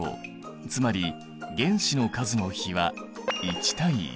つまり原子の数の比は１対１。